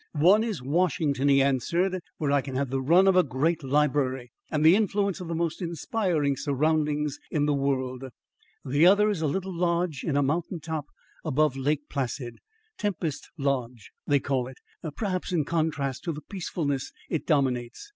'One is Washington,' he answered, 'where I can have the run of a great library and the influence of the most inspiring surroundings in the world; the other is a little lodge in a mountain top above Lake Placid Tempest Lodge, they call it; perhaps, in contrast to the peacefulness it dominates.'